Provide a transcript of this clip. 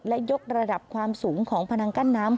และยกระดับความสูงของพนังกั้นน้ำ